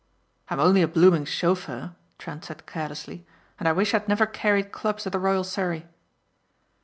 "I'm only a blooming chauffeur," Trent said carelessly, "and I wish I had never carried clubs at the Royal Surrey."